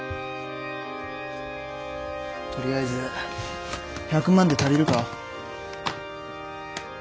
とりあえず１００万で足りるか？